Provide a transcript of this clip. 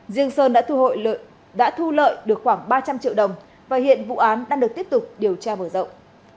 riêng sơn đã thu lợi được khoảng ba trăm linh triệu đồng và hiện vụ án đang được tiếp tục điều tra mở rộng